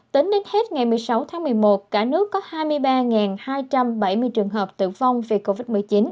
tính đến hết ngày một mươi sáu tháng một mươi một cả nước có hai mươi ba hai trăm bảy mươi trường hợp tử vong vì covid một mươi chín